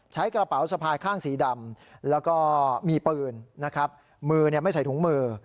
ใช้กระเป๋าสะพายข้างสีดำแล้วก็มีปืนนะครับมือไม่ใส่ถุงมือ